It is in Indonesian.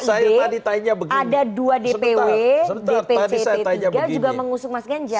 karena di koalisinya kid ada dua dpw dpcp tiga juga mengusung mas ganjar